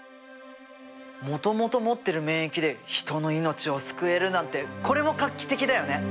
もともと持ってる免疫で人の命を救えるなんてこれも画期的だよね。